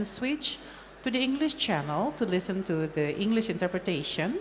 dan berganti ke channel inggris untuk mendengar interpretasi inggris